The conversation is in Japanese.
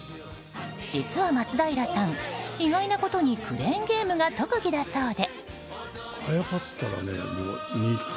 実は松平さん、意外なことにクレーンゲームが特技だそうで。